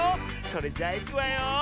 それじゃいくわよ。